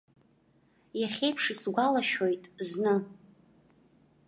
Иахьеиԥш исгәалашәоит, зны.